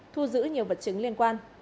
thu giữ nhiều vật chứng liên quan